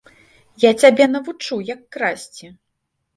Я цябе навучу, як красці!